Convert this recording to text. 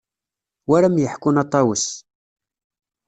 Wi ara am-yeḥkun a Ṭawes.